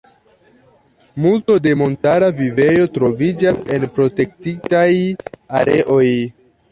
Multo de la montara vivejo troviĝas en protektitaj areoj.